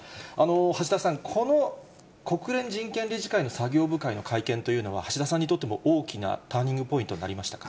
橋田さん、この国連人権理事会の作業部会の会見というのは橋田さんにとっても大きなターニングポイントになりましたか。